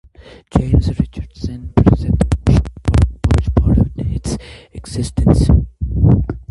James Richardson presented the show for a large part of its existence.